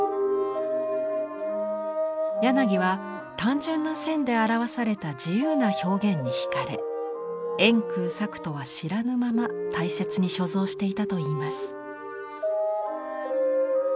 柳は単純な線で表された自由な表現に引かれ円空作とは知らぬまま大切に所蔵していたといいます。